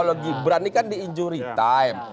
kalau gibran ini kan di injury time